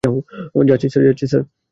যাচ্ছি, স্যার।